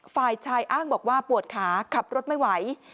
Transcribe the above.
ฝ่ายชายอ้างบอกว่าปวดขาขับรถไม่ไหว